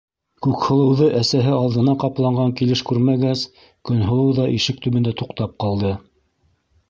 Күкһылыуҙы әсәһе алдына ҡапланған килеш күрмәгәс, Көнһылыу ҙа ишек төбөндә туҡтап ҡалды.